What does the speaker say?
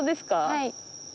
はい。